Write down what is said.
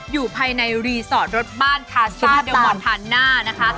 อยู่ภายในรีสอร์ตรถบ้านคาซ่าเดียวหมดท่านหน้านะคะ